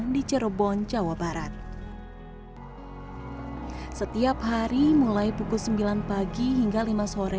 di cirebon jawa barat setiap hari mulai pukul sembilan pagi hingga lima sore